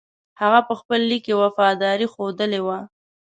هغه په خپل لیک کې وفاداري ښودلې وه.